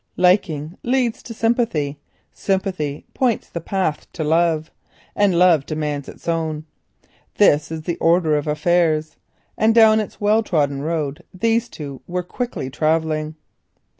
Liking leads to sympathy, sympathy points the path to love, and then love demands its own. This is the order of affairs, and down its well trodden road these two were quickly travelling.